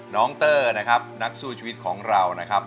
เตอร์นะครับนักสู้ชีวิตของเรานะครับ